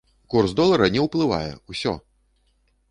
Курс долара не ўплывае, усё!